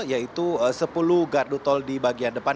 yaitu sepuluh gardu tol di bagian depan